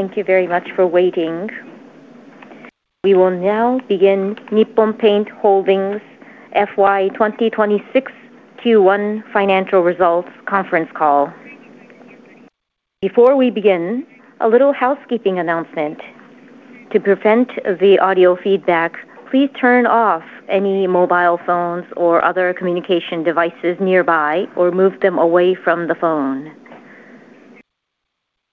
Thank you very much for waiting. We will now begin Nippon Paint Holdings FY 2026 Q1 financial results conference call. Before we begin, a little housekeeping announcement. To prevent the audio feedback, please turn off any mobile phones or other communication devices nearby or move them away from the phone.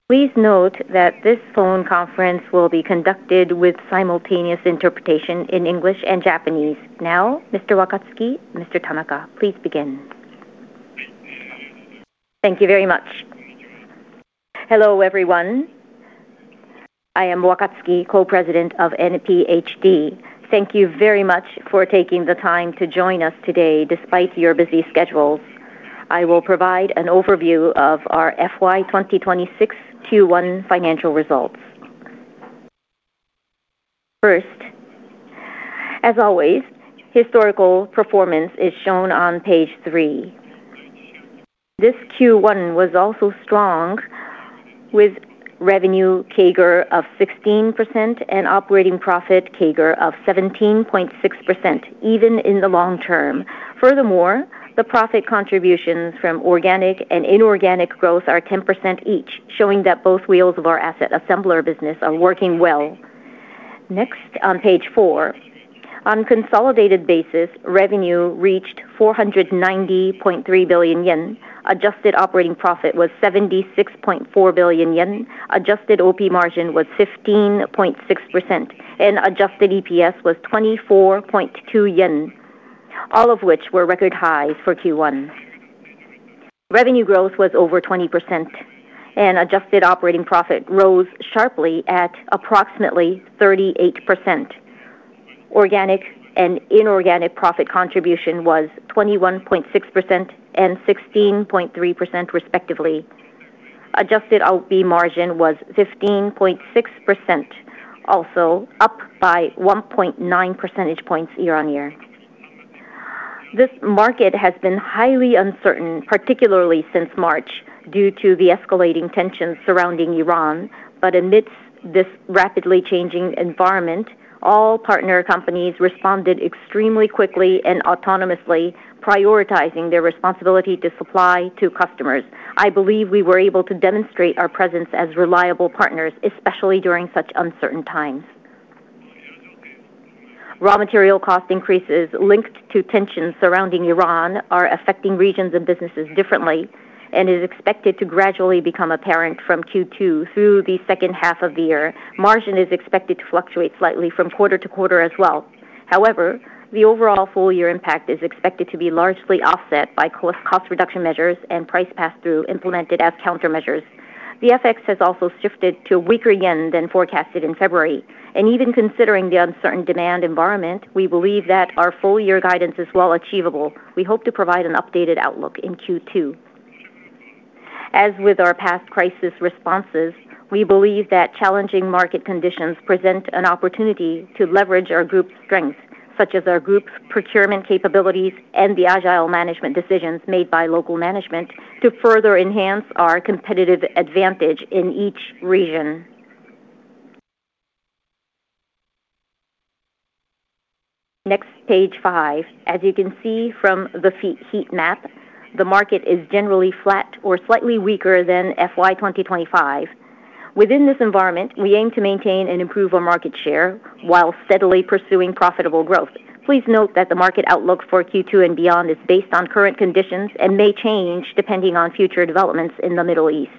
Please note that this phone conference will be conducted with simultaneous interpretation in English and Japanese. Mr. Wakatsuki, Mr. Tanaka, please begin. Thank you very much. Hello, everyone. I am Wakatsuki, Co-president of NPHD. Thank you very much for taking the time to join us today despite your busy schedules. I will provide an overview of our FY 2026 Q1 financial results. First, as always, historical performance is shown on page three. This Q1 was also strong with revenue CAGR of 16% and operating profit CAGR of 17.6% even in the long term. Furthermore, the profit contributions from organic and inorganic growth are 10% each, showing that both wheels of our Asset Assembler business are working well. Next on page four. On consolidated basis, revenue reached 490.3 billion yen. Adjusted operating profit was 76.4 billion yen. Adjusted OP margin was 15.6%, and adjusted EPS was 24.2 yen, all of which were record highs for Q1. Revenue growth was over 20%, and adjusted operating profit rose sharply at approximately 38%. Organic and inorganic profit contribution was 21.6% and 16.3% respectively. Adjusted OP margin was 15.6%, also up by 1.9 percentage points year-on-year. This market has been highly uncertain, particularly since March, due to the escalating tensions surrounding Iran. Amidst this rapidly changing environment, all partner companies responded extremely quickly and autonomously, prioritizing their responsibility to supply to customers. I believe we were able to demonstrate our presence as reliable partners, especially during such uncertain times. Raw material cost increases linked to tensions surrounding Iran are affecting regions and businesses differently and is expected to gradually become apparent from Q2 through the second half of the year. Margin is expected to fluctuate slightly from quarter-to-quarter as well. The overall full year impact is expected to be largely offset by cost reduction measures and price pass-through implemented as countermeasures. The FX has also shifted to weaker yen than forecasted in February. Even considering the uncertain demand environment, we believe that our full year guidance is well achievable. We hope to provide an updated outlook in Q2. As with our past crisis responses, we believe that challenging market conditions present an opportunity to leverage our group's strengths, such as our group's procurement capabilities and the agile management decisions made by local management to further enhance our competitive advantage in each region. Page five. As you can see from the feed heat map, the market is generally flat or slightly weaker than FY 2025. Within this environment, we aim to maintain and improve our market share while steadily pursuing profitable growth. Please note that the market outlook for Q2 and beyond is based on current conditions and may change depending on future developments in the Middle East.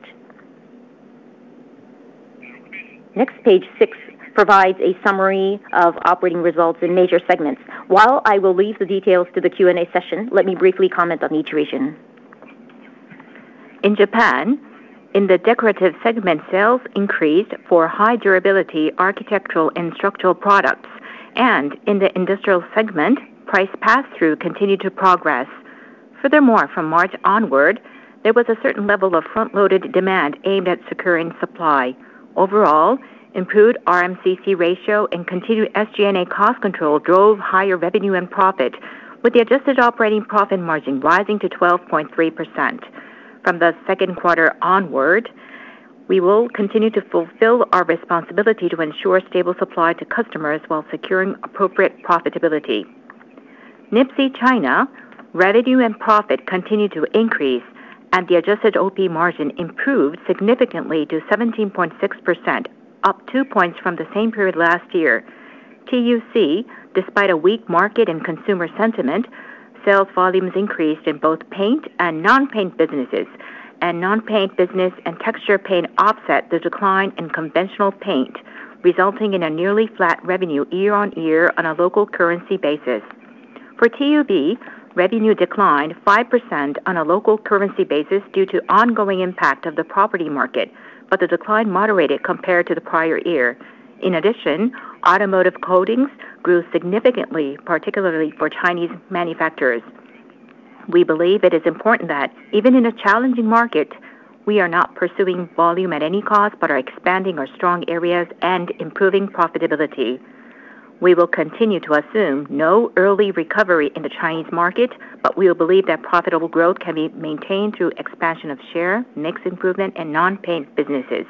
Page six provides a summary of operating results in major segments. While I will leave the details to the Q&A session, let me briefly comment on each region. In Japan, in the decorative segment, sales increased for high durability architectural and structural products, and in the industrial segment, price pass-through continued to progress. From March onward, there was a certain level of front-loaded demand aimed at securing supply. Improved RMCC ratio and continued SG&A cost control drove higher revenue and profit, with the adjusted operating profit margin rising to 12.3%. From the second quarter onward, we will continue to fulfill our responsibility to ensure stable supply to customers while securing appropriate profitability. NIPSEA China, revenue and profit continued to increase, and the adjusted OP margin improved significantly to 17.6%, up 2 points from the same period last year. TUC, despite a weak market and consumer sentiment, sales volumes increased in both paint and non-paint businesses, and non-paint business and texture paint offset the decline in conventional paint, resulting in a nearly flat revenue year-on-year on a local currency basis. For TUB, revenue declined 5% on a local currency basis due to ongoing impact of the property market, but the decline moderated compared to the prior year. Automotive coatings grew significantly, particularly for Chinese manufacturers. We believe it is important that even in a challenging market, we are not pursuing volume at any cost, but are expanding our strong areas and improving profitability. We will continue to assume no early recovery in the Chinese market, but we believe that profitable growth can be maintained through expansion of share, mix improvement, and non-paint businesses.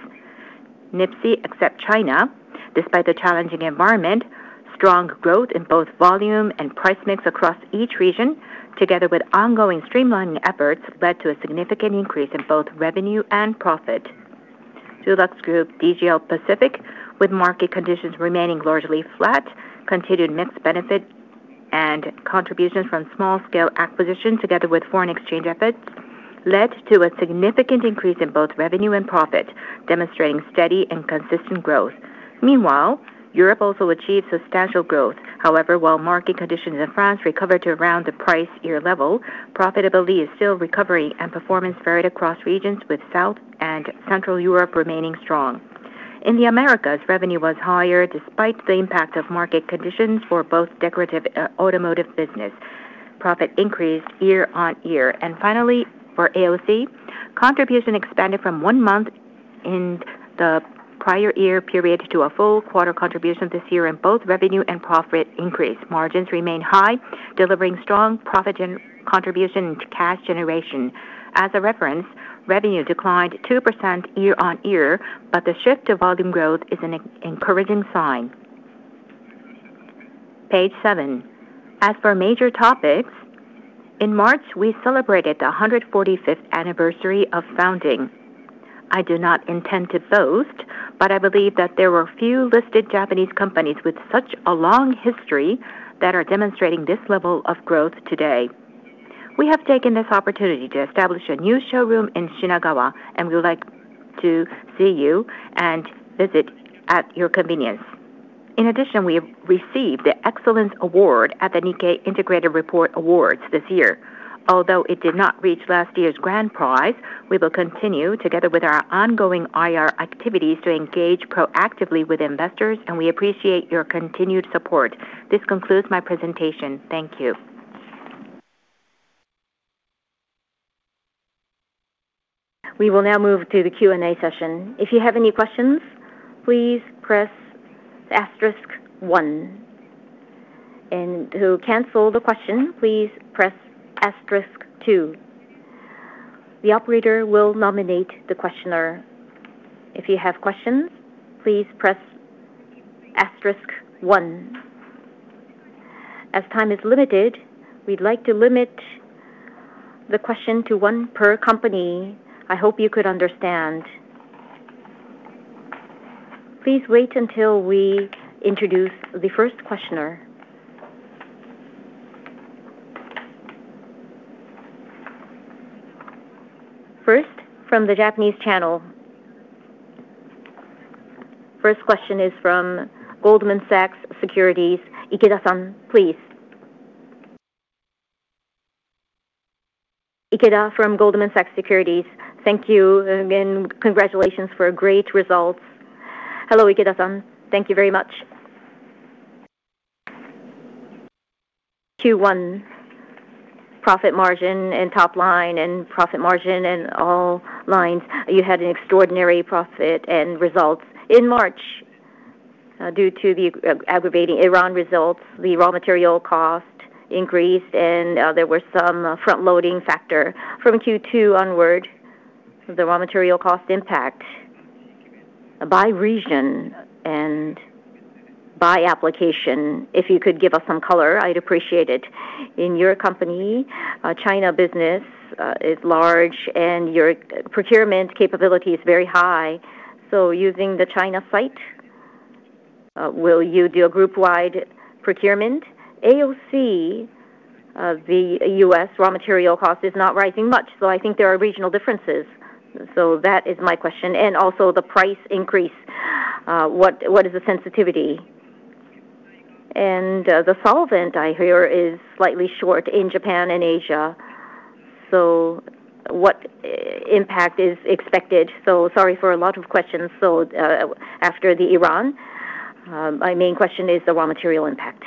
NIPSEA Group, except China, despite the challenging environment, strong growth in both volume and price mix across each region, together with ongoing streamlining efforts, led to a significant increase in both revenue and profit. DuluxGroup, DGL Pacific, with market conditions remaining largely flat, continued mix benefit and contributions from small-scale acquisitions together with foreign exchange efforts led to a significant increase in both revenue and profit, demonstrating steady and consistent growth. Europe also achieved substantial growth. While market conditions in France recovered to around the prior year level, profitability is still recovering and performance varied across regions, with South and Central Europe remaining strong. In the Americas, revenue was higher despite the impact of market conditions for both decorative, automotive business. Profit increased year-on-year. Finally, for AOC, contribution expanded from one month in the prior year period to a full quarter contribution this year, and both revenue and profit increased. Margins remained high, delivering strong profit contribution to cash generation. As a reference, revenue declined 2% year-on-year, but the shift to volume growth is an encouraging sign. Page seven. As for major topics, in March, we celebrated the 145th anniversary of founding. I do not intend to boast, but I believe that there are few listed Japanese companies with such a long history that are demonstrating this level of growth today. We have taken this opportunity to establish a new showroom in Shinagawa. We would like to see you and visit at your convenience. In addition, we have received the Excellence Award at the NIKKEI Integrated Report Awards this year. Although it did not reach last year's grand prize, we will continue together with our ongoing IR activities to engage proactively with investors. We appreciate your continued support. This concludes my presentation. Thank you. We will now move to the Q&A session. If you have any questions, please press asterisk one. To cancel the question, please press asterisk two. The operator will nominate the questioner. If you have questions, please press asterisk one. As time is limited, we'd like to limit the question to one per company. I hope you could understand. Please wait until we introduce the first questioner. From the Japanese channel. First question is from Goldman Sachs Securities, Ikeda-san, please. Ikeda from Goldman Sachs Securities. Thank you again. Congratulations for great results. Hello, Ikeda-san. Thank you very much. Q1 profit margin and top line and profit margin and all lines, you had an extraordinary profit and results. In March, due to the aggravating Iran results, the raw material cost increased and there were some front-loading factor. From Q2 onward, the raw material cost impact by region and by application, if you could give us some color, I'd appreciate it. In your company, China business is large and your procurement capability is very high. Using the China site, will you do a group-wide procurement? AOC, the U.S. raw material cost is not rising much, I think there are regional differences. That is my question. The price increase, what is the sensitivity? The solvent I hear is slightly short in Japan and Asia, what impact is expected? Sorry for a lot of questions. After the Iran, my main question is the raw material impact.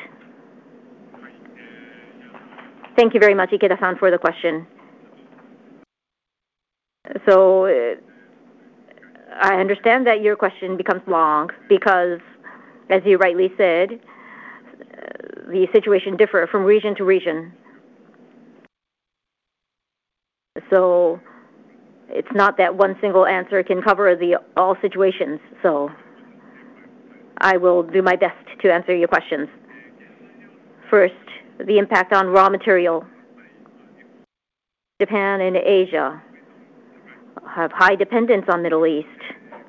Thank you very much, Ikeda-san, for the question. I understand that your question becomes long because, as you rightly said, the situation differ from region to region. It's not that one single answer can cover the all situations. I will do my best to answer your questions. First, the impact on raw material. Japan and Asia have high dependence on Middle East,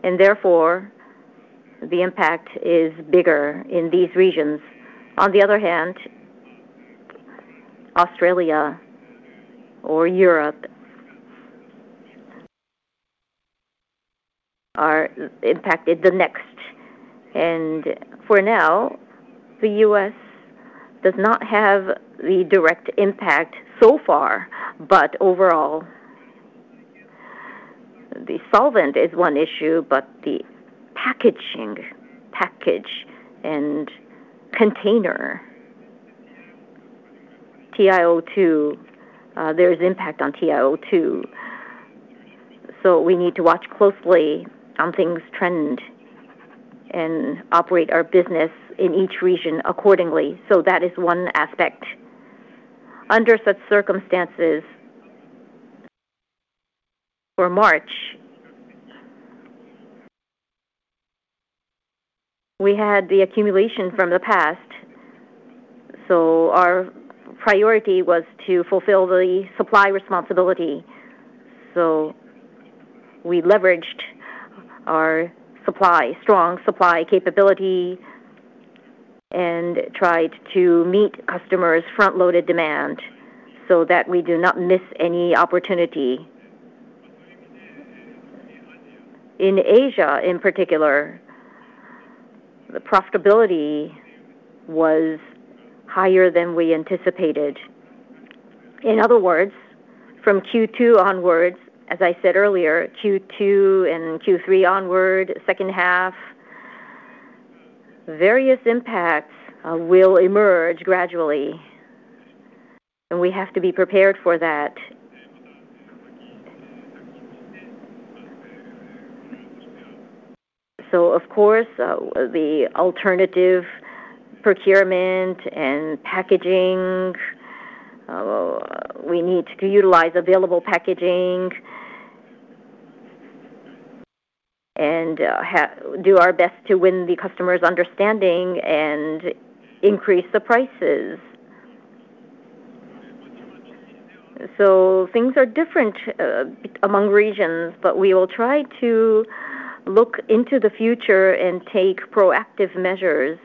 and therefore the impact is bigger in these regions. On the other hand, Australia or Europe are impacted the next. For now, the U.S. does not have the direct impact so far. Overall, the solvent is one issue, but the packaging, and container. TiO2, there is impact on TiO2. We need to watch closely on things trend and operate our business in each region accordingly. That is one aspect. Under such circumstances, for March, we had the accumulation from the past, our priority was to fulfill the supply responsibility. We leveraged our supply, strong supply capability and tried to meet customers' front-loaded demand so that we do not miss any opportunity. In Asia, in particular, the profitability was higher than we anticipated. In other words, from Q2 onwards, as I said earlier, Q2 and Q3 onward, second half, various impacts will emerge gradually, and we have to be prepared for that. Of course, the alternative procurement and packaging, we need to utilize available packaging and do our best to win the customers' understanding and increase the prices. Things are different among regions, but we will try to look into the future and take proactive measures.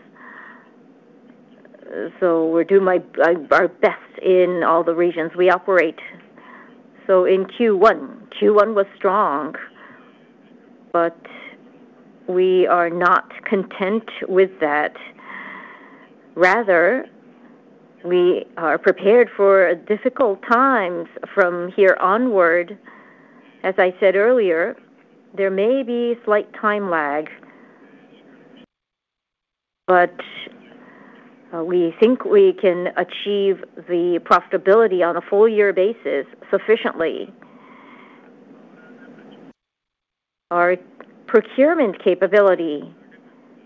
We'll do my, our best in all the regions we operate. In Q1 was strong, but we are not content with that. We are prepared for difficult times from here onward. As I said earlier, there may be slight time lag, but we think we can achieve the profitability on a full year basis sufficiently. Our procurement capability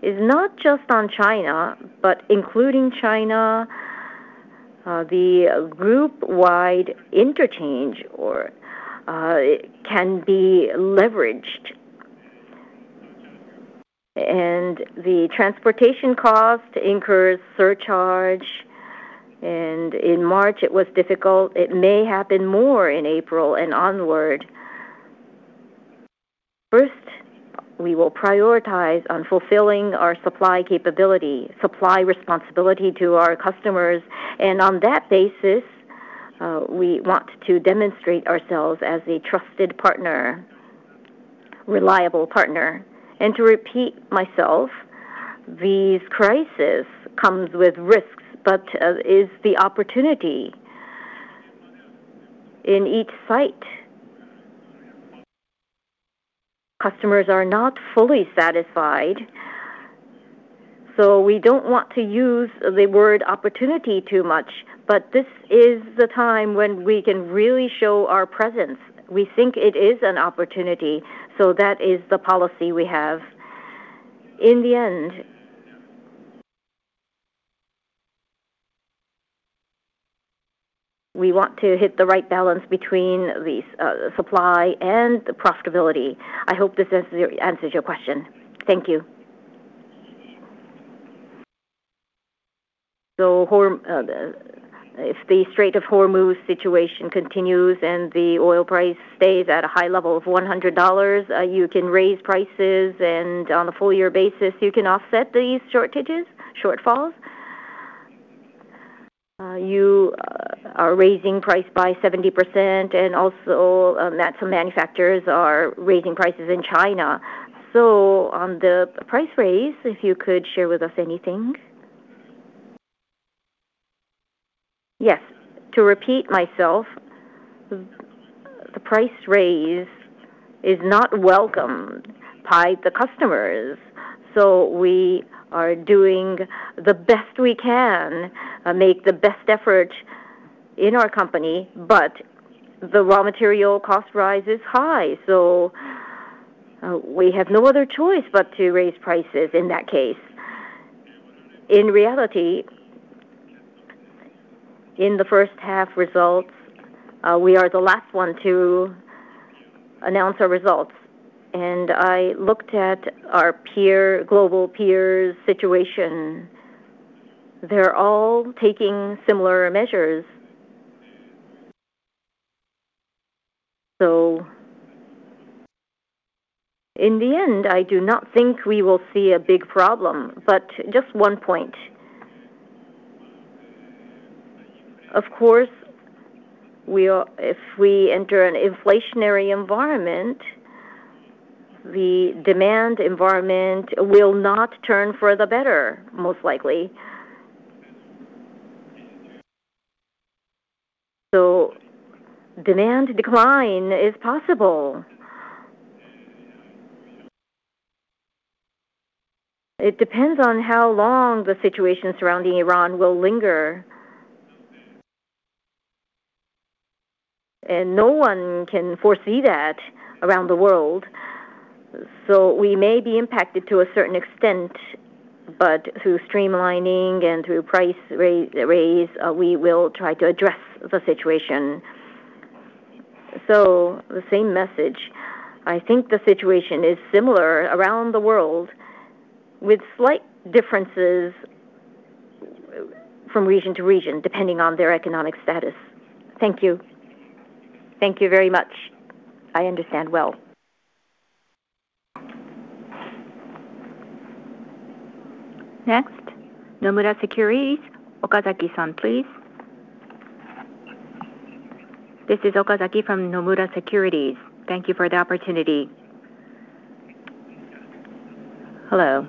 is not just on China, but including China, the group-wide interchange or can be leveraged. The transportation cost incurs surcharge, and in March it was difficult. It may happen more in April and onward. First, we will prioritize on fulfilling our supply capability, supply responsibility to our customers, and on that basis, we want to demonstrate ourselves as a trusted partner, reliable partner. To repeat myself, this crisis comes with risks, but is the opportunity in each site. Customers are not fully satisfied, so we don't want to use the word opportunity too much, but this is the time when we can really show our presence. We think it is an opportunity, so that is the policy we have. In the end, we want to hit the right balance between the supply and the profitability. I hope this answers your question. Thank you. If the Strait of Hormuz situation continues and the oil price stays at a high level of $100, you can raise prices and on a full year basis, you can offset these shortages, shortfalls. You are raising price by 70% and also, that some manufacturers are raising prices in China. On the price raise, if you could share with us anything? Yes. To repeat myself, the price raise is not welcomed by the customers. We are doing the best we can, make the best effort in our company, but the raw material cost rise is high. We have no other choice but to raise prices in that case. In reality, in the first half results, we are the last one to announce our results. I looked at our peer, global peers' situation. They're all taking similar measures. In the end, I do not think we will see a big problem, but just one point. Of course, if we enter an inflationary environment, the demand environment will not turn for the better, most likely. Demand decline is possible. It depends on how long the situation surrounding Iran will linger, and no one can foresee that around the world. We may be impacted to a certain extent, but through streamlining and through price raise, we will try to address the situation. The same message. I think the situation is similar around the world with slight differences from region to region, depending on their economic status. Thank you. Thank you very much. I understand well. Next, Nomura Securities, Okazaki-san, please. This is Okazaki from Nomura Securities. Thank you for the opportunity. Hello.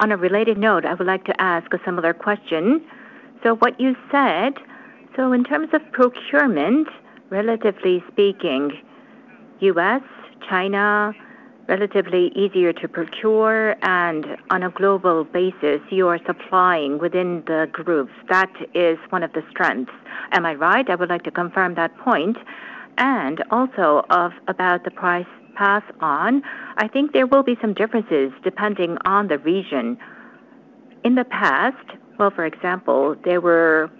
On a related note, I would like to ask a similar question. What you said, in terms of procurement, relatively speaking, U.S., China, relatively easier to procure, and on a global basis, you are supplying within the groups. That is one of the strengths. Am I right? I would like to confirm that point. Also of about the price pass on, I think there will be some differences depending on the region. In the past, for example, there were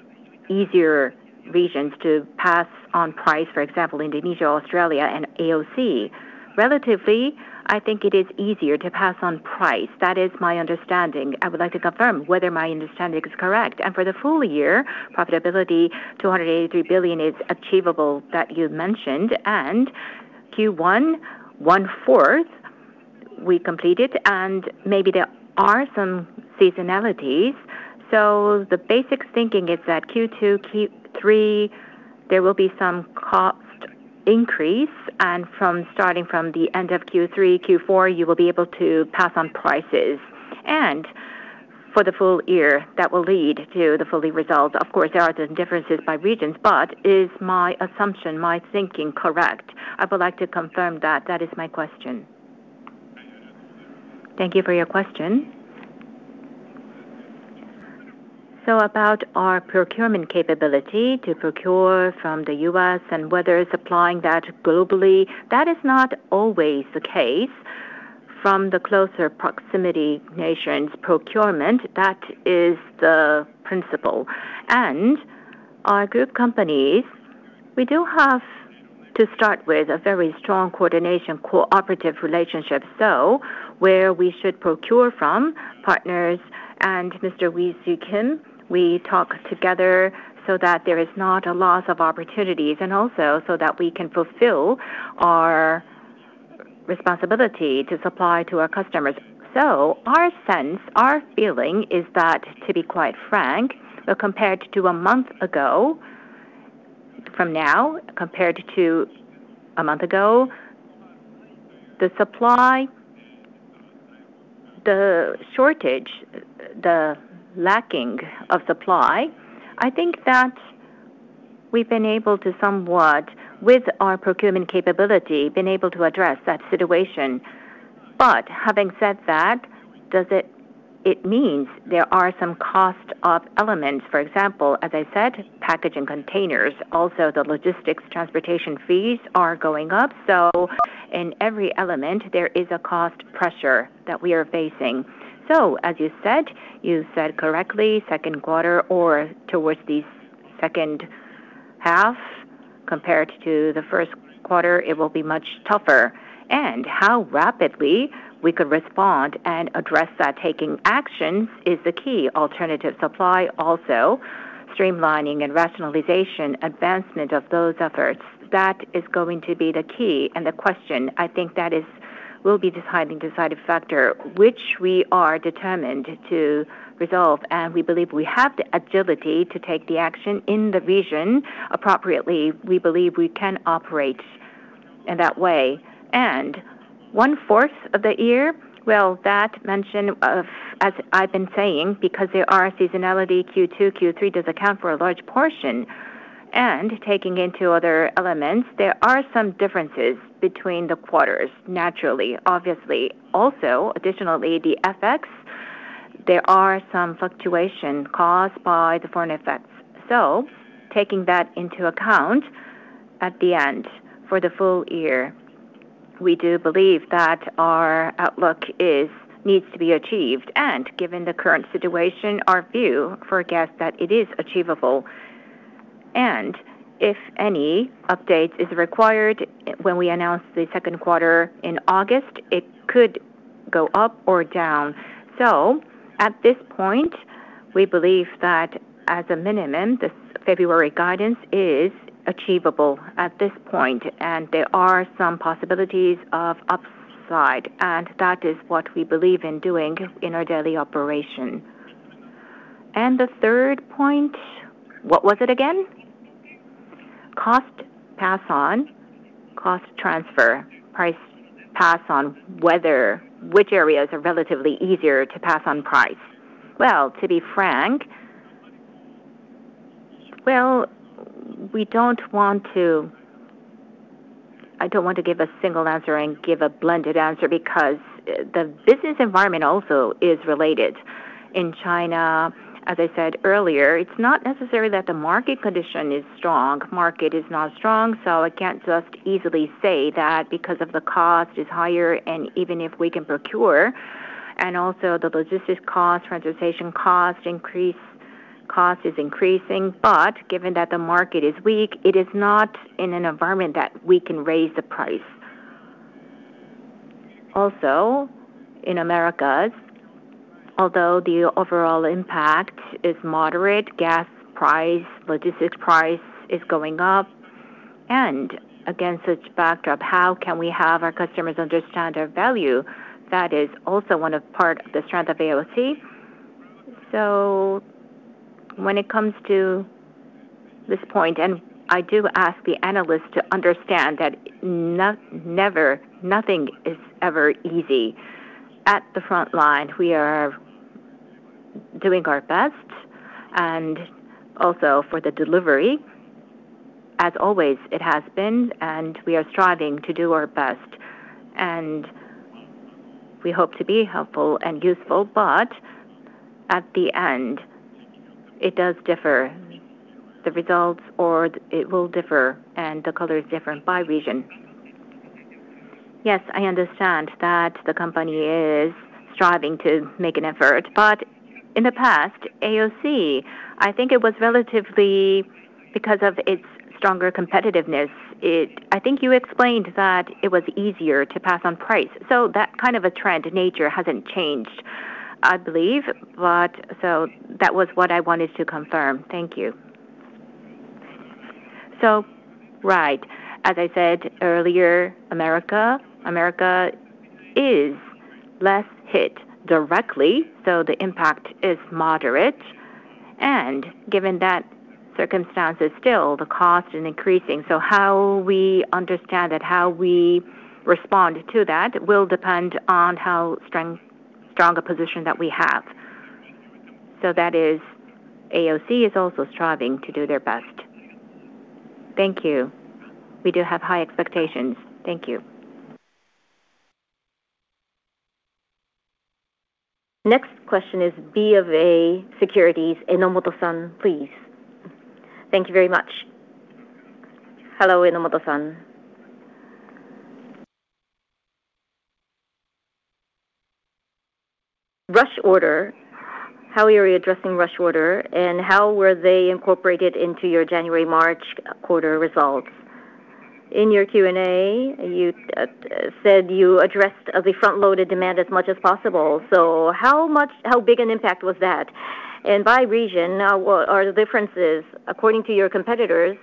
easier regions to pass on price. For example, Indonesia, Australia, and AOC. Relatively, I think it is easier to pass on price. That is my understanding. I would like to confirm whether my understanding is correct. For the full year profitability, 283 billion is achievable that you mentioned. Q1, one fourth we completed, and maybe there are some seasonalities. The basic thinking is that Q2, Q3, there will be some cost increase, and from starting from the end of Q3, Q4, you will be able to pass on prices. For the full year, that will lead to the full year results. Of course, there are the differences by regions, but is my assumption, my thinking correct? I would like to confirm that. That is my question. Thank you for your question. About our procurement capability to procure from the U.S. and whether supplying that globally, that is not always the case. From the closer proximity nations procurement, that is the principle. Our group companies, we do have to start with a very strong coordination cooperative relationship. Where we should procure from partners and Wee Siew Kim, we talk together so that there is not a loss of opportunities and also so that we can fulfill our responsibility to supply to our customers. Our sense, our feeling is that, to be quite frank, compared to a month ago from now, compared to a month ago, the supply, the shortage, the lacking of supply, I think that we've been able to somewhat, with our procurement capability, been able to address that situation. Having said that, it means there are some cost of elements. For example, as I said, packaging containers, also the logistics transportation fees are going up. In every element, there is a cost pressure that we are facing. As you said, you said correctly, second quarter or towards the second half compared to the first quarter, it will be much tougher. How rapidly we could respond and address that taking actions is the key. Alternative supply also streamlining and rationalization, advancement of those efforts, that is going to be the key and the question. I think that will be deciding factor which we are determined to resolve, and we believe we have the agility to take the action in the region appropriately. We believe we can operate in that way. one-fourth of the year, well, as I've been saying, because there are seasonality, Q2, Q3 does account for a large portion. taking into other elements, there are some differences between the quarters, naturally, obviously. Also, additionally, the FX, there are some fluctuation caused by the foreign effects. taking that into account at the end for the full year, we do believe that our outlook is needs to be achieved. given the current situation, our view forecast that it is achievable. if any update is required when we announce the second quarter in August, it could go up or down. At this point, we believe that as a minimum, this February guidance is achievable at this point, and there are some possibilities of upside, and that is what we believe in doing in our daily operation. The third point, what was it again? Cost pass on, cost transfer, price pass on, whether which areas are relatively easier to pass on price? To be frank, we don't want to give a single answer and give a blended answer because the business environment also is related. In China, as I said earlier, it's not necessarily that the market condition is strong. Market is not strong, so I can't just easily say that because of the cost is higher and even if we can procure, and also the logistics cost, transportation cost increase, cost is increasing. Given that the market is weak, it is not in an environment that we can raise the price. Also, in Americas, although the overall impact is moderate, gas price, logistics price is going up. Again, such backdrop, how can we have our customers understand our value? That is also one of part of the strength of AOC. When it comes to this point, and I do ask the analysts to understand that nothing is ever easy. At the front line, we are doing our best, and also for the delivery, as always it has been, and we are striving to do our best, and we hope to be helpful and useful. At the end, it does differ, the results, or it will differ, and the color is different by region. Yes, I understand that the company is striving to make an effort. In the past, AOC, I think it was relatively, because of its stronger competitiveness, I think you explained that it was easier to pass on price. That kind of a trend, nature hasn't changed, I believe. That was what I wanted to confirm. Thank you. Right. As I said earlier, America is less hit directly, so the impact is moderate. Given that circumstances, still the cost is increasing. How we understand that, how we respond to that will depend on how strong a position that we have. That is, AOC is also striving to do their best. Thank you. We do have high expectations. Thank you. Next question is BofA Securities, Enomoto-san, please. Thank you very much. Hello, Enomoto-san. Rush order, how are you addressing rush order, and how were they incorporated into your January-March quarter results? In your Q&A, you said you addressed the front-loaded demand as much as possible. How much, how big an impact was that? By region, now what are the differences? According to your competitors,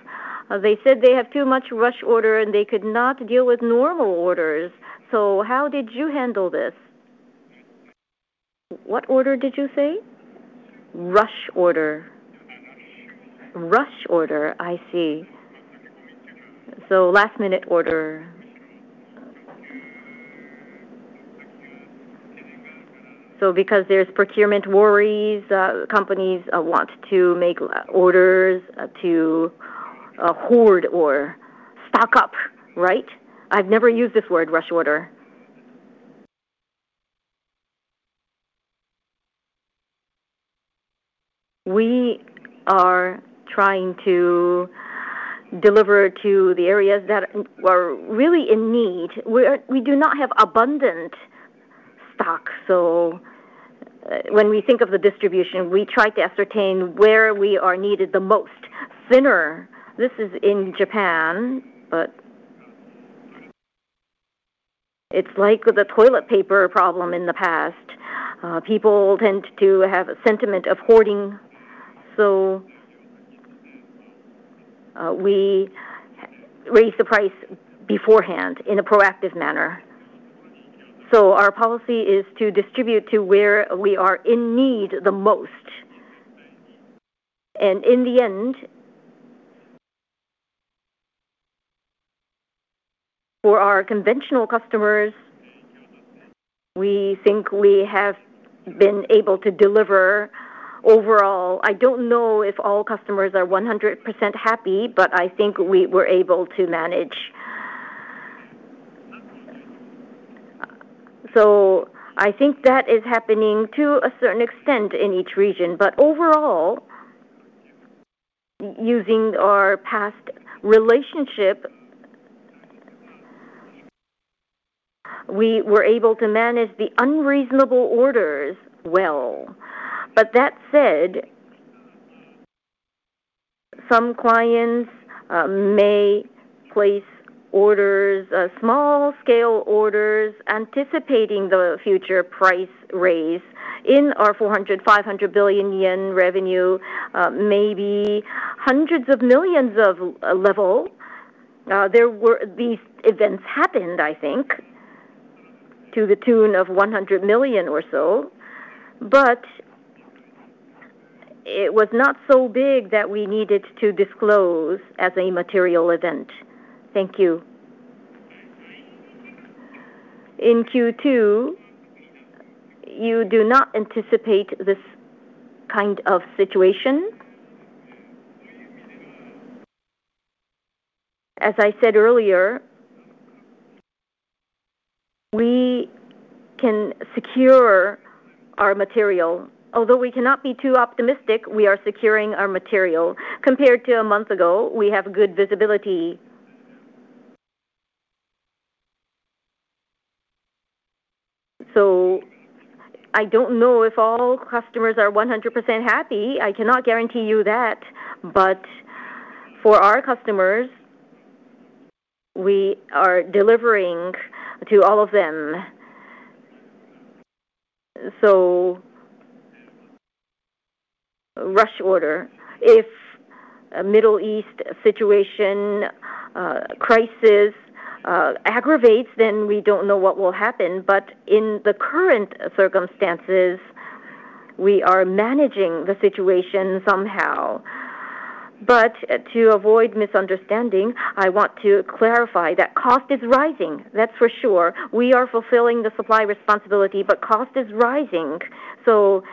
they said they have too much rush order and they could not deal with normal orders. How did you handle this? What order did you say? Rush order. Rush order, I see. Last-minute order. Because there's procurement worries, companies want to make orders to hoard or stock up, right? I've never used this word, rush order. We are trying to deliver to the areas that are really in need. We do not have abundant stock, so when we think of the distribution, we try to ascertain where we are needed the most. Thinner, this is in Japan, it's like the toilet paper problem in the past. People tend to have a sentiment of hoarding, we raise the price beforehand in a proactive manner. Our policy is to distribute to where we are in need the most. In the end, for our conventional customers, we think we have been able to deliver overall. I don't know if all customers are 100% happy, but I think we were able to manage. I think that is happening to a certain extent in each region. Overall, using our past relationship, we were able to manage the unreasonable orders well. That said, some clients may place orders, small scale orders anticipating the future price raise in our 400 billion-500 billion yen revenue, maybe hundreds of millions level. These events happened, I think, to the tune of 100 million or so, but it was not so big that we needed to disclose as a material event. Thank you. In Q2, you do not anticipate this kind of situation? As I said earlier, we can secure our material. Although we cannot be too optimistic, we are securing our material. Compared to a month ago, we have good visibility. I don't know if all customers are 100% happy. I cannot guarantee you that. For our customers, we are delivering to all of them. Rush order. If a Middle East situation, crisis, aggravates, we don't know what will happen. In the current circumstances, we are managing the situation somehow. To avoid misunderstanding, I want to clarify that cost is rising. That's for sure. We are fulfilling the supply responsibility, cost is rising.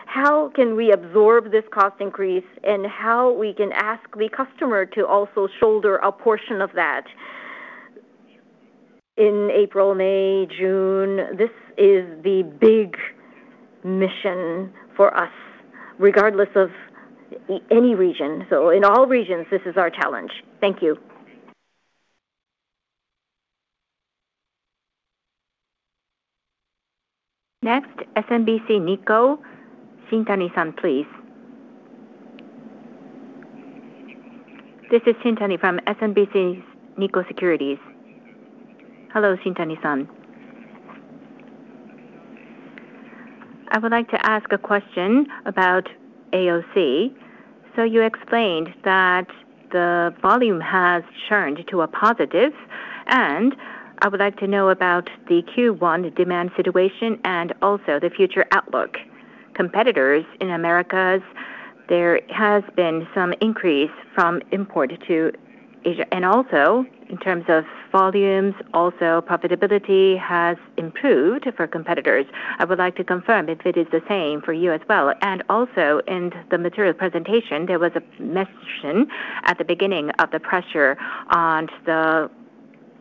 How can we absorb this cost increase, and how we can ask the customer to also shoulder a portion of that? In April, May, June, this is the big mission for us, regardless of any region. In all regions, this is our challenge. Thank you. Next, SMBC Nikko, Shintani-san, please. This is Shintani from SMBC Nikko Securities. Hello, Shintani-san. I would like to ask a question about AOC. You explained that the volume has churned to a positive, and I would like to know about the Q1 demand situation and also the future outlook. Competitors in Americas, there has been some increase from import to Asia, and also in terms of volumes, also profitability has improved for competitors. I would like to confirm if it is the same for you as well. Also in the material presentation, there was a mention at the beginning of the pressure on the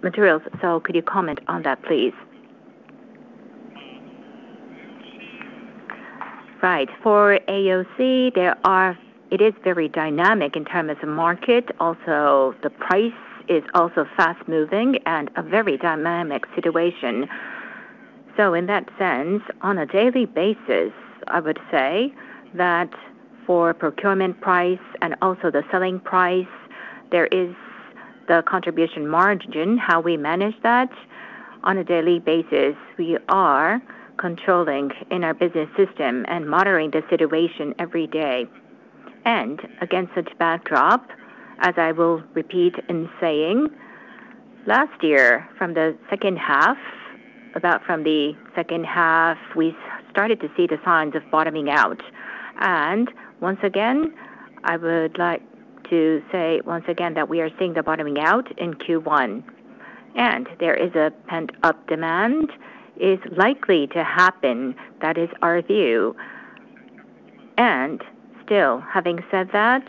materials. Could you comment on that, please? Right. For AOC, it is very dynamic in terms of market. Also, the price is also fast-moving and a very dynamic situation. In that sense, on a daily basis, I would say that for procurement price and also the selling price, there is the contribution margin, how we manage that on a daily basis. We are controlling in our business system and monitoring the situation every day. Against such backdrop, as I will repeat in saying, last year from the second half, about from the second half, we started to see the signs of bottoming out. Once again, I would like to say that we are seeing the bottoming out in Q1. There is a pent-up demand is likely to happen. That is our view. Still, having said that,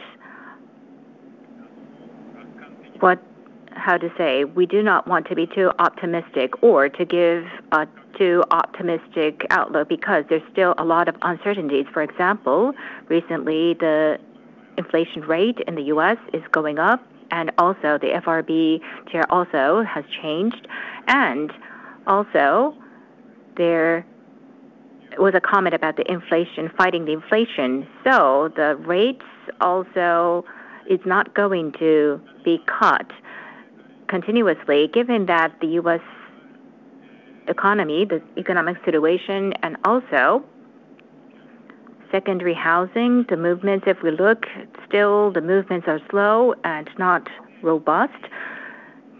how to say, we do not want to be too optimistic or to give a too optimistic outlook because there's still a lot of uncertainties. For example, recently, the inflation rate in the U.S. is going up. The FRB Chair also has changed. There was a comment about the inflation, fighting the inflation. The rates also is not going to be cut continuously given that the U.S. economy, the economic situation, and also secondary housing, the movements, if we look, still the movements are slow and not robust.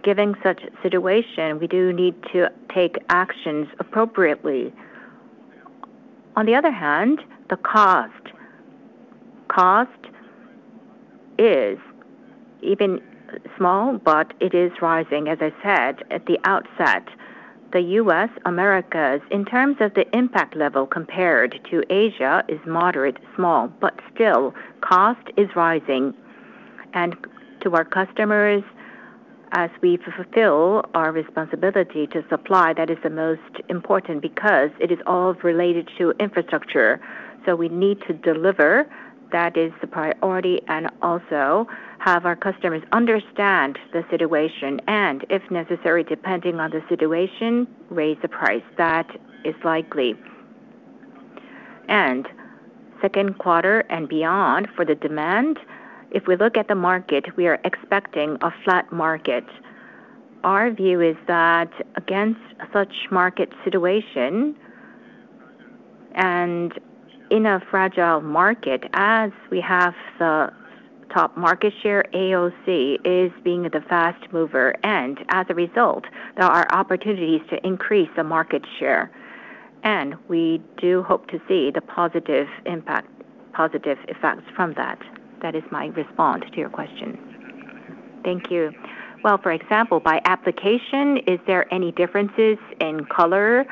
Given such situation, we do need to take actions appropriately. On the other hand, the cost. Cost is even small, but it is rising, as I said at the outset. The U.S., Americas, in terms of the impact level compared to Asia, is moderate small, but still cost is rising. To our customers, as we fulfill our responsibility to supply, that is the most important because it is all related to infrastructure. We need to deliver. That is the priority, and also have our customers understand the situation and, if necessary, depending on the situation, raise the price. That is likely. Second quarter and beyond for the demand, if we look at the market, we are expecting a flat market. Our view is that against such market situation and in a fragile market, as we have the top market share, AOC is being the fast mover, and as a result, there are opportunities to increase the market share. We do hope to see the positive impact, positive effects from that. That is my response to your question. Thank you. For example, by application, is there any differences in color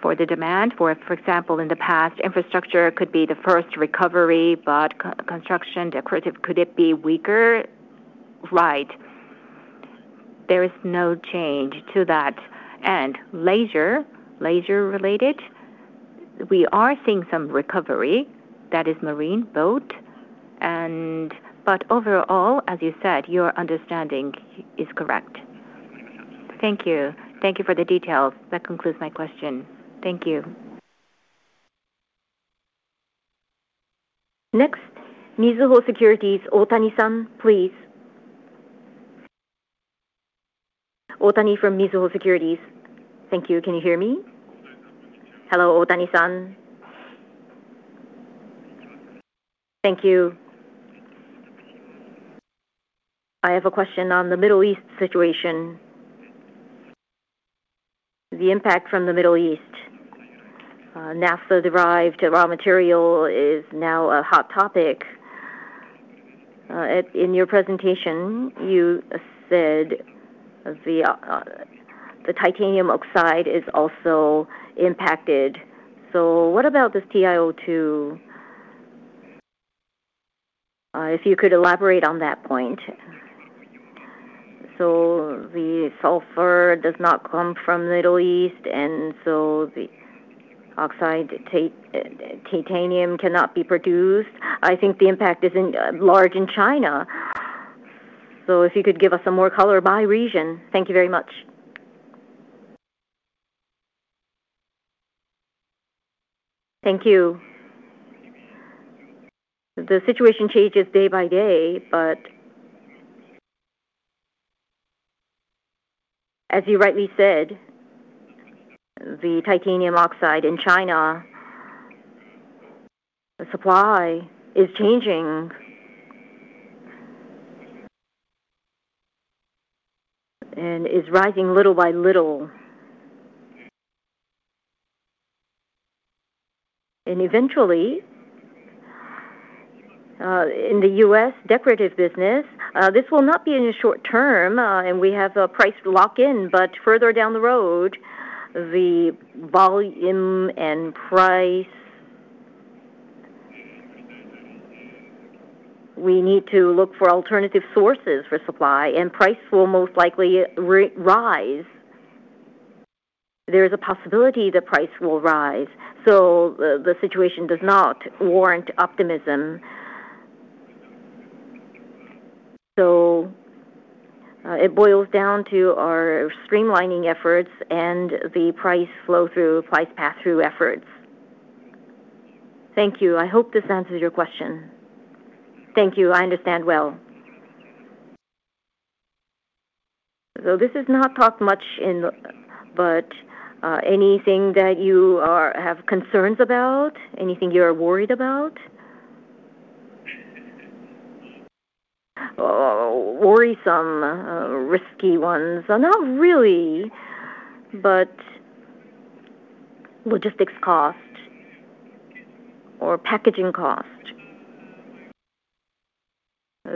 for the demand? For example, in the past, infrastructure could be the first recovery, but construction decorative, could it be weaker? Right. There is no change to that. Leisure related, we are seeing some recovery. That is marine, boat. Overall, as you said, your understanding is correct. Thank you. Thank you for the details. That concludes my question. Thank you. Next, Mizuho Securities, Otani-san, please. Otani from Mizuho Securities. Thank you. Can you hear me? Hello, Otani-san. Thank you. I have a question on the Middle East situation. The impact from the Middle East. Naphtha-derived raw material is now a hot topic. In your presentation, you said the titanium dioxide is also impacted. What about this TiO2? If you could elaborate on that point. The sulfur does not come from Middle East, the oxide titanium cannot be produced. I think the impact is in large in China. If you could give us some more color by region. Thank you very much. Thank you. The situation changes day by day, as you rightly said, the titanium dioxide in China, the supply is changing and is rising little by little. Eventually, in the U.S. decorative business, this will not be in the short term, and we have a price lock-in. Further down the road, the volume and price, we need to look for alternative sources for supply, and price will most likely rise. There is a possibility the price will rise, the situation does not warrant optimism. It boils down to our streamlining efforts and the price flow through, price pass-through efforts. Thank you. I hope this answers your question. Thank you. I understand well. Though this is not talked much in, but anything that you have concerns about? Anything you are worried about? Worrisome, risky ones? Not really, but logistics cost or packaging cost.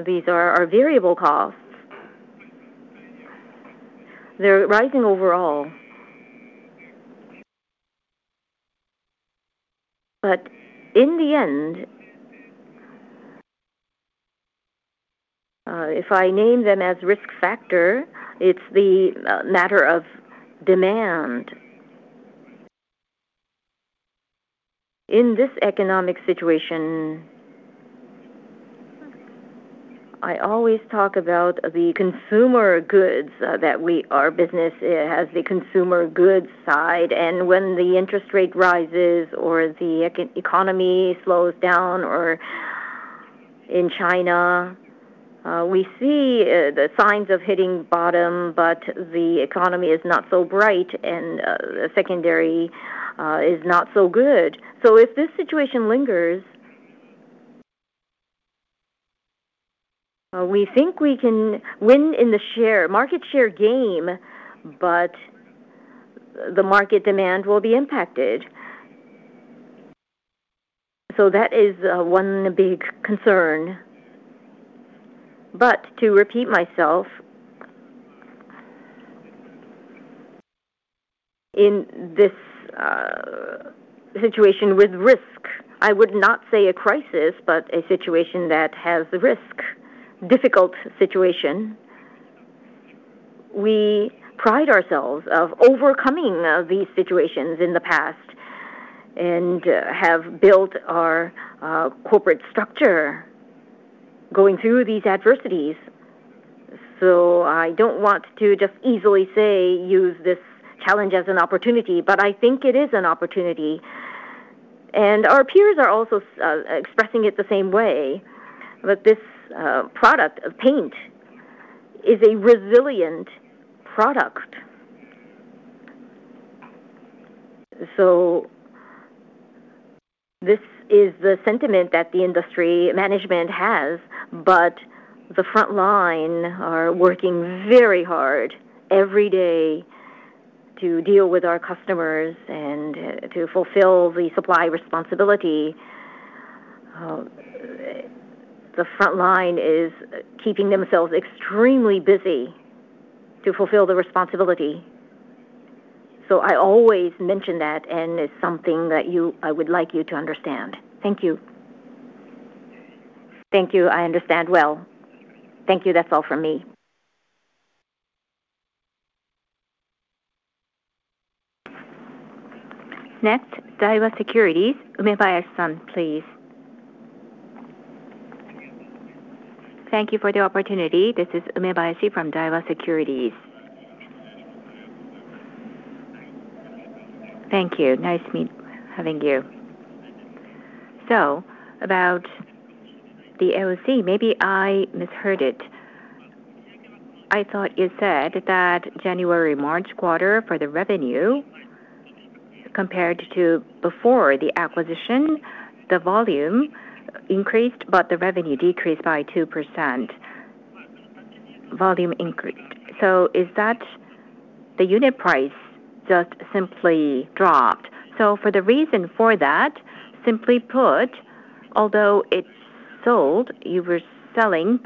These are our variable costs. They're rising overall. In the end, if I name them as risk factor, it's the matter of demand. In this economic situation, I always talk about the consumer goods, Our business has the consumer goods side, and when the interest rate rises or the economy slows down or in China, we see the signs of hitting bottom, but the economy is not so bright and the secondary is not so good. If this situation lingers, we think we can win in the market share game, but the market demand will be impacted. That is one big concern. To repeat myself, in this situation with risk, I would not say a crisis, but a situation that has risk, difficult situation, we pride ourselves of overcoming these situations in the past and have built our corporate structure going through these adversities. I don't want to just easily say use this challenge as an opportunity, but I think it is an opportunity. Our peers are also expressing it the same way, that this product of paint is a resilient product. This is the sentiment that the industry management has, but the front line are working very hard every day to deal with our customers and to fulfill the supply responsibility. The front line is keeping themselves extremely busy to fulfill the responsibility. I always mention that, and it's something that I would like you to understand. Thank you. Thank you. I understand well. Thank you. That's all from me. Next, Daiwa Securities, Umebayashi-san, please. Thank you for the opportunity. This is Umebayashi from Daiwa Securities. Thank you. Nice having you. About the AOC, maybe I misheard it. I thought you said that January-March quarter for the revenue compared to before the acquisition, the volume increased, but the revenue decreased by 2%. Volume increased. Is that the unit price just simply dropped? For the reason for that, simply put, although it's sold, you were selling,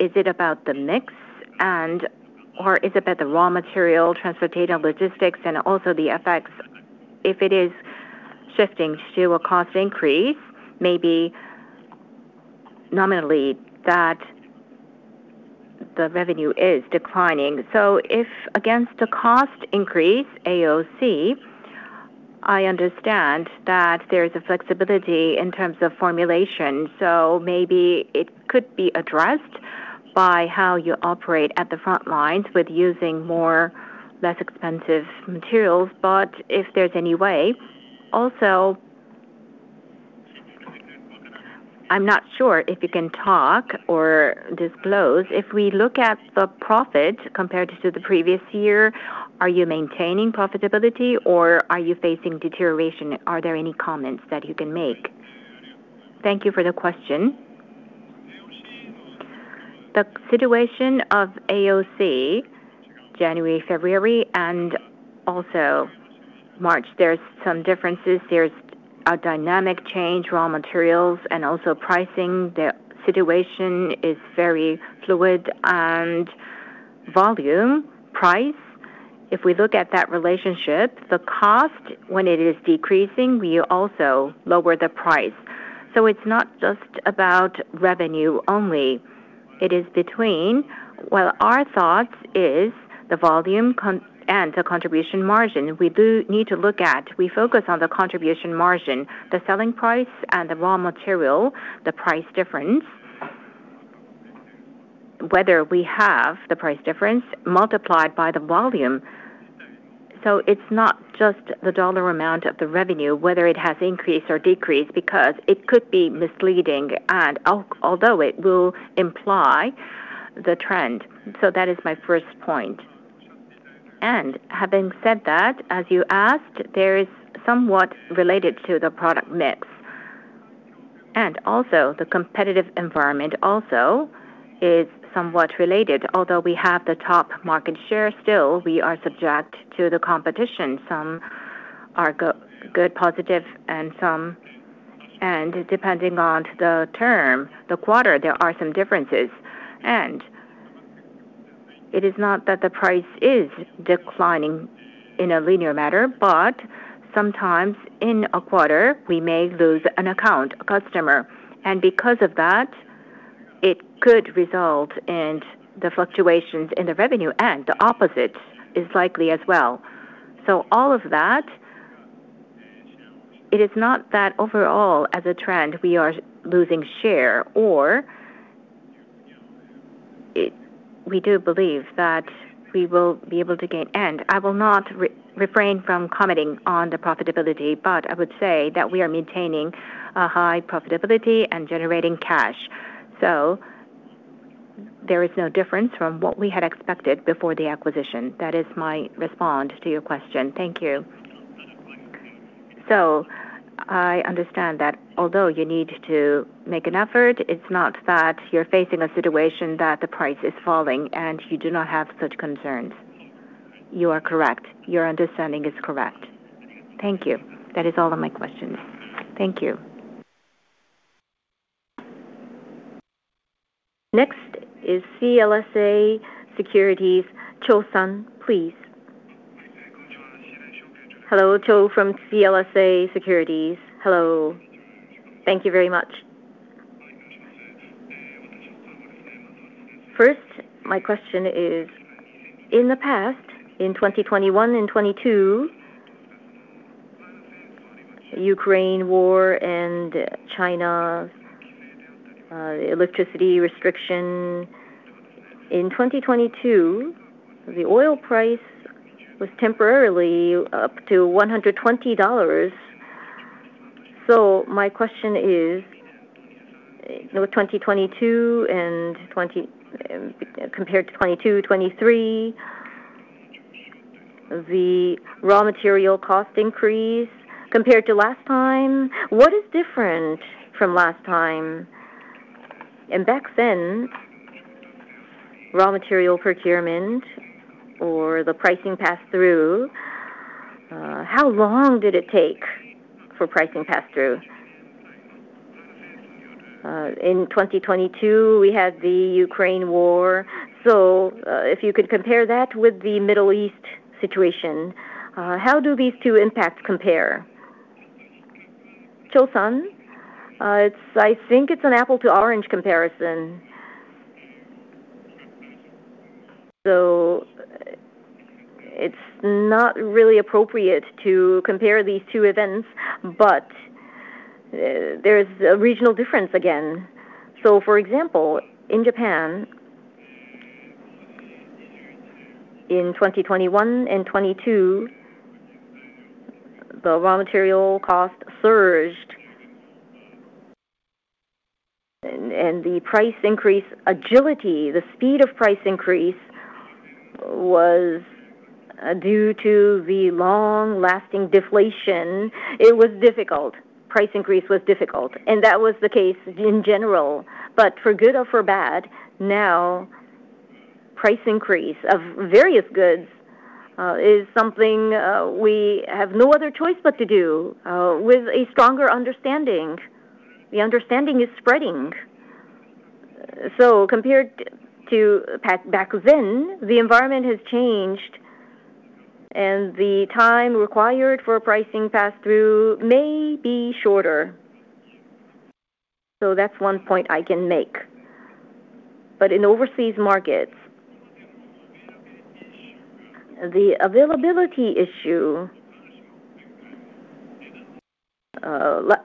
is it about the mix and or is it about the raw material, transportation, logistics, and also the effects if it is shifting to a cost increase, maybe nominally that the revenue is declining? If against the cost increase, AOC, I understand that there is a flexibility in terms of formulation. Maybe it could be addressed by how you operate at the front lines with using more less expensive materials. If there's any way. I'm not sure if you can talk or disclose, if we look at the profit compared to the previous year, are you maintaining profitability or are you facing deterioration? Are there any comments that you can make? Thank you for the question. The situation of AOC, January, February, and also March, there's some differences. There's a dynamic change, raw materials and also pricing. The situation is very fluid. Volume, price, if we look at that relationship, the cost, when it is decreasing, we also lower the price. It's not just about revenue only. It is between our thoughts, the volume and the contribution margin. We do need to look at, we focus on the contribution margin, the selling price and the raw material, the price difference, whether we have the price difference multiplied by the volume. It's not just the dollar amount of the revenue, whether it has increased or decreased, because it could be misleading and although it will imply the trend. Having said that, as you asked, there is somewhat related to the product mix. Also the competitive environment also is somewhat related. Although we have the top market share, still we are subject to the competition. Some are good, positive, and some. Depending on the term, the quarter, there are some differences. It is not that the price is declining in a linear matter, but sometimes in a quarter, we may lose an account, a customer. Because of that, it could result in the fluctuations in the revenue, and the opposite is likely as well. All of that, it is not that overall as a trend, we are losing share or we do believe that we will be able to gain. I will not refrain from commenting on the profitability, but I would say that we are maintaining a high profitability and generating cash. There is no difference from what we had expected before the acquisition. That is my response to your question. Thank you. I understand that although you need to make an effort, it's not that you're facing a situation that the price is falling and you do not have such concerns. You are correct. Your understanding is correct. Thank you. That is all of my questions. Thank you. Next is CLSA Securities, Cho-san, please. Hello. Cho from CLSA Securities. Hello. Thank you very much. First, my question is, in the past, in 2021 and 2022, Ukraine War and China electricity restriction. In 2022, the oil price was temporarily up to $120. My question is, you know, 2022 and 2023, compared to 2022, 2023, the raw material cost increase compared to last time, what is different from last time? Back then raw material procurement or the pricing pass-through, how long did it take for pricing pass-through? In 2022, we had the Ukraine war. If you could compare that with the Middle East situation, how do these two impacts compare? Cho-san? I think it's an apple to orange comparison. It's not really appropriate to compare these two events, there is a regional difference again. For example, in Japan in 2021 and 2022, the raw material cost surged and the price increase agility, the speed of price increase was due to the long-lasting deflation. It was difficult. Price increase was difficult, and that was the case in general. For good or for bad, now price increase of various goods is something we have no other choice but to do with a stronger understanding. The understanding is spreading. Compared to back then, the environment has changed, and the time required for pricing pass-through may be shorter. That's one point I can make. In overseas markets, the availability issue,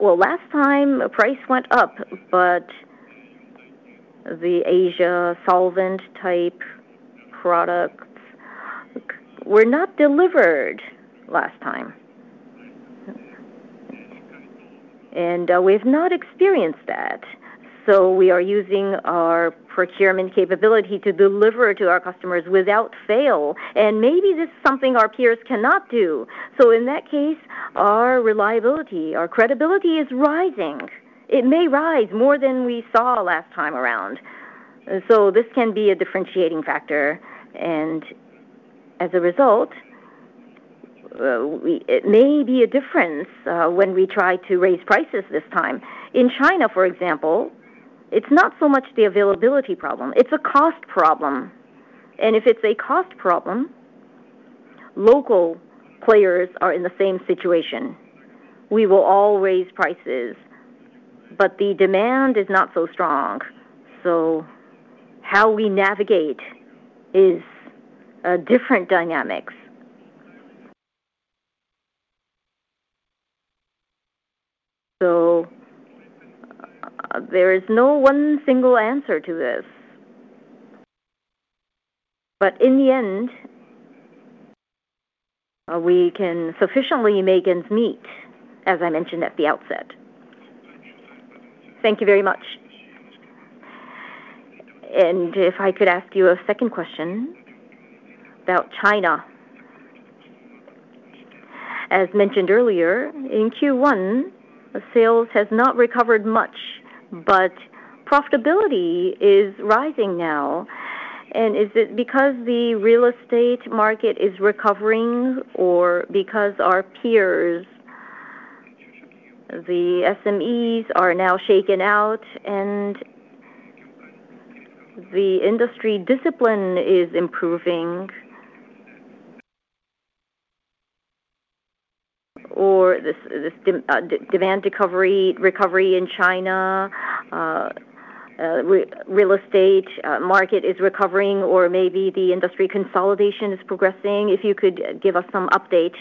well, last time price went up, but the Asia solvent-type products were not delivered last time. We've not experienced that, so we are using our procurement capability to deliver to our customers without fail, and maybe this is something our peers cannot do. In that case, our reliability, our credibility is rising. It may rise more than we saw last time around. This can be a differentiating factor, and as a result, it may be a difference when we try to raise prices this time. In China, for example, it's not so much the availability problem, it's a cost problem. If it's a cost problem, local players are in the same situation. We will all raise prices, but the demand is not so strong, so how we navigate is a different dynamics. There is no one single answer to this. In the end, we can sufficiently make ends meet, as I mentioned at the outset. Thank you very much. If I could ask you a second question about China. As mentioned earlier, in Q1, sales has not recovered much, but profitability is rising now. Is it because the real estate market is recovering or because our peers, the SMEs, are now shaken out and the industry discipline is improving? This demand recovery in China, real estate market is recovering or maybe the industry consolidation is progressing? If you could give us some update.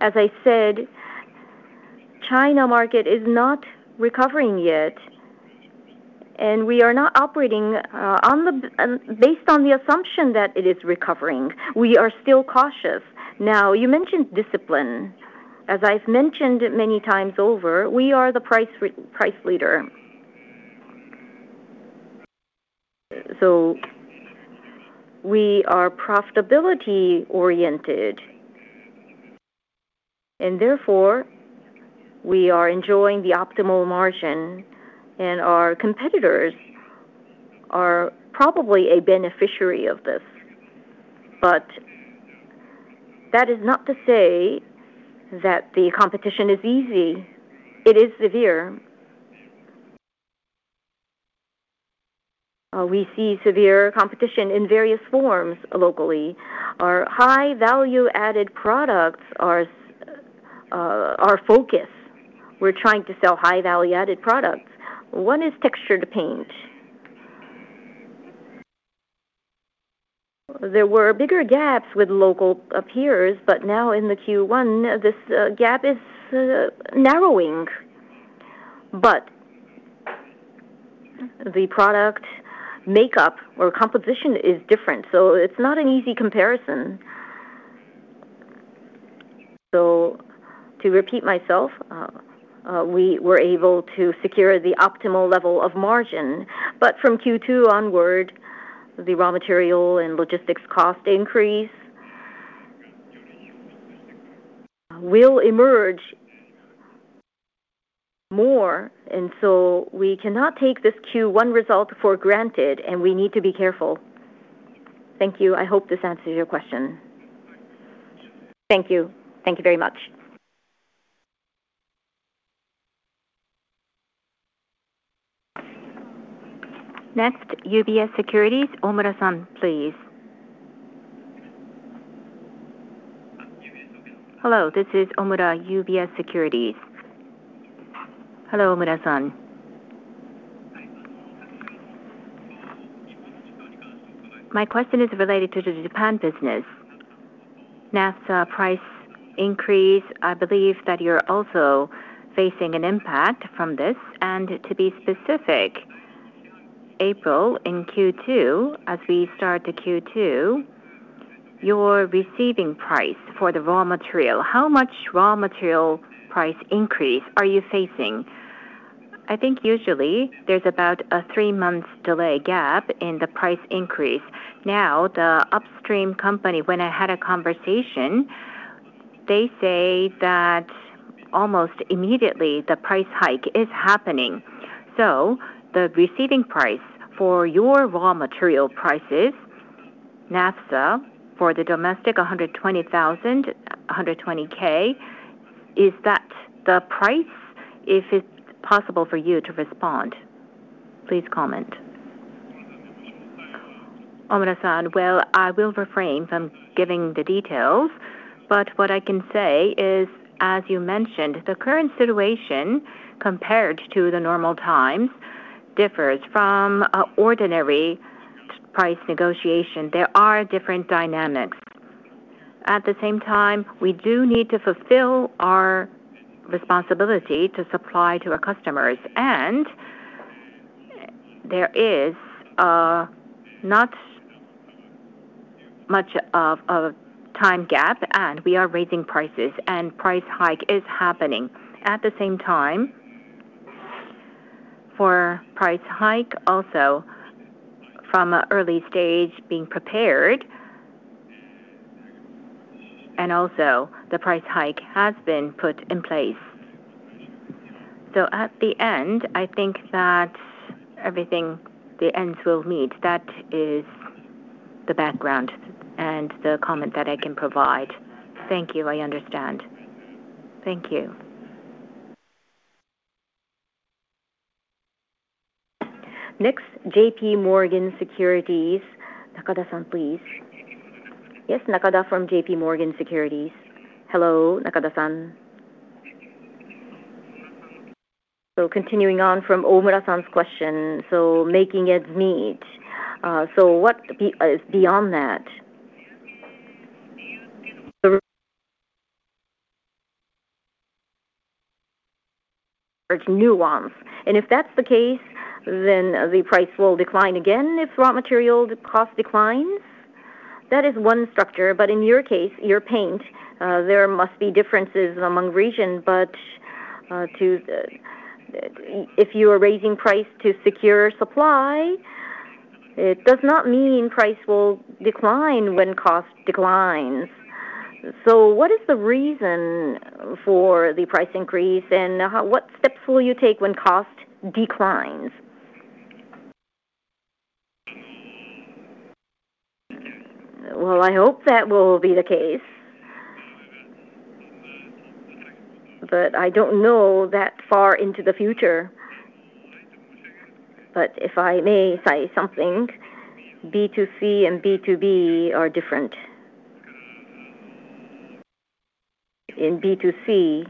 As I said, China market is not recovering yet, and we are not operating based on the assumption that it is recovering. We are still cautious. You mentioned discipline. As I've mentioned many times over, we are the price leader. We are profitability-oriented, and therefore, we are enjoying the optimal margin, and our competitors are probably a beneficiary of this. That is not to say that the competition is easy. It is severe. We see severe competition in various forms locally. Our high value-added products are our focus. We're trying to sell high value-added products. One is textured paint. There were bigger gaps with local peers, but now in the Q1, this gap is narrowing. The product makeup or composition is different, so it's not an easy comparison. To repeat myself, we were able to secure the optimal level of margin. From Q2 onward, the raw material and logistics cost increase will emerge more, and so we cannot take this Q1 result for granted, and we need to be careful. Thank you. I hope this answers your question. Thank you. Thank you very much. Next, UBS Securities, Omura-san, please. Hello, this is Omura, UBS Securities. Hello, Omura-san. My question is related to the Japan business. Naphtha price increase, I believe that you're also facing an impact from this. To be specific, April in Q2, as we start the Q2, your receiving price for the raw material, how much raw material price increase are you facing? I think usually there's about a three-month delay gap in the price increase. Now, the upstream company, when I had a conversation, they say that almost immediately the price hike is happening. The receiving price for your raw material prices, naphtha, for the domestic 120,000, 120,000, is that the price? If it's possible for you to respond, please comment. Omura-san, well, I will refrain from giving the details, but what I can say is, as you mentioned, the current situation compared to the normal times differs from ordinary price negotiation. There are different dynamics. At the same time, we do need to fulfill our responsibility to supply to our customers, and there is not much of a time gap, and we are raising prices, and price hike is happening. At the same time, for price hike also from an early stage being prepared and also the price hike has been put in place. At the end, I think that everything, the ends will meet. That is the background and the comment that I can provide. Thank you. I understand. Thank you. Next, JPMorgan Securities. Nakada-san, please. Yes, Nakada from JPMorgan Securities. Hello, Nakada-san. Continuing on from Omura-san's question, so making ends meet. What is beyond that? The nuance. If that's the case, then the price will decline again if raw material cost declines? That is one structure, but in your case, your paint, there must be differences among region. If you are raising price to secure supply, it does not mean price will decline when cost declines. What is the reason for the price increase, and what steps will you take when cost declines? Well, I hope that will be the case. I don't know that far into the future. If I may say something, B2C and B2B are different. In B2C,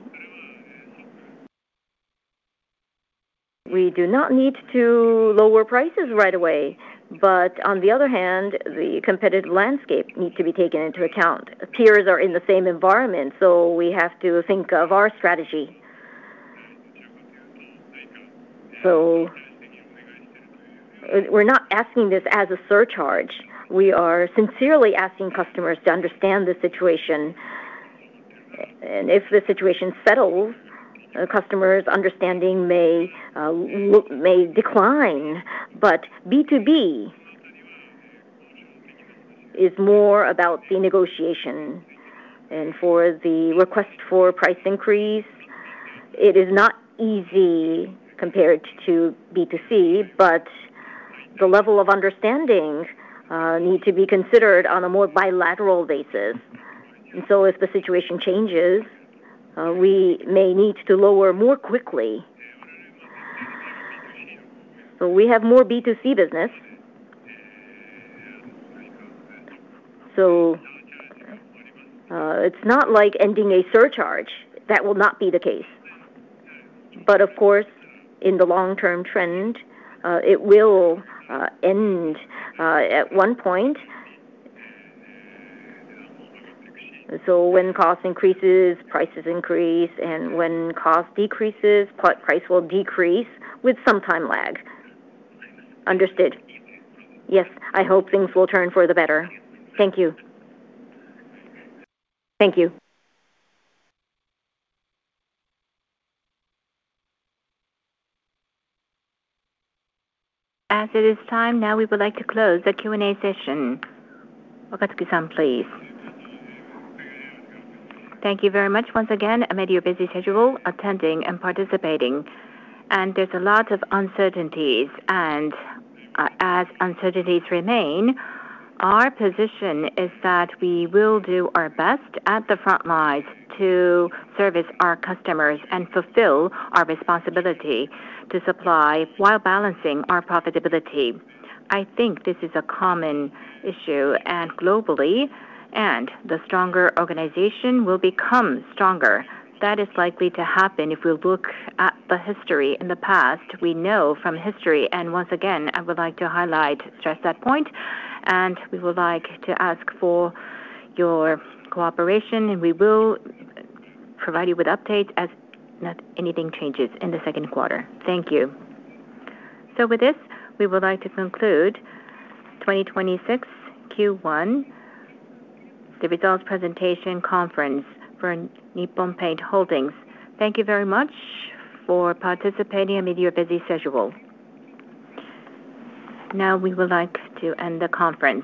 we do not need to lower prices right away, but on the other hand, the competitive landscape needs to be taken into account. Peers are in the same environment, so we have to think of our strategy. We're not asking this as a surcharge. We are sincerely asking customers to understand the situation. If the situation settles, customers' understanding may decline. B2B is more about the negotiation, and for the request for price increase, it is not easy compared to B2C. The level of understanding need to be considered on a more bilateral basis. If the situation changes, we may need to lower more quickly. We have more B2C business. It's not like ending a surcharge. That will not be the case. Of course, in the long-term trend, it will end at one point. When cost increases, prices increase, and when cost decreases, price will decrease with some time lag. Understood. Yes, I hope things will turn for the better. Thank you. Thank you. As it is time now, we would like to close the Q&A session. Wakatsuki-san, please. Thank you very much once again amid your busy schedule attending and participating. There's a lot of uncertainties, and as uncertainties remain, our position is that we will do our best at the front lines to service our customers and fulfill our responsibility to supply while balancing our profitability. I think this is a common issue and globally, and the stronger organization will become stronger. That is likely to happen if we look at the history in the past. We know from history, once again, I would like to highlight, stress that point, and we would like to ask for your cooperation, and we will provide you with updates as anything changes in the second quarter. Thank you. With this, we would like to conclude 2026 Q1, the results presentation conference for Nippon Paint Holdings. Thank you very much for participating amid your busy schedule. Now we would like to end the conference.